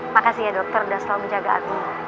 makasih ya dokter udah selalu menjaga aku